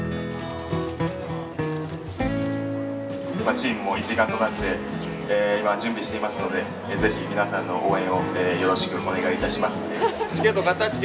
チームも一丸となって今準備していますのでぜひ皆さんの応援をよろしくお願いいたします。